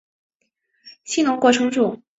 信浓国城主。